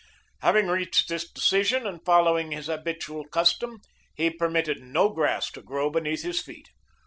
Having reached this decision, and following his habitual custom, he permitted no grass to grow beneath his feet.